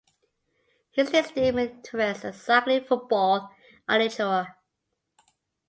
His listed interests are cycling, football and literature.